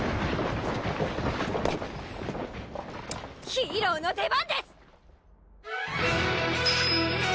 ヒーローの出番です！